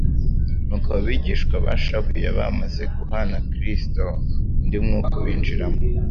Nuko abo bigishwa bashavuye bamaze guhana Kristo, undi mwuka ubinjiramo.